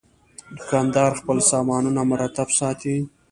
دوکاندار خپل سامانونه مرتب ساتي.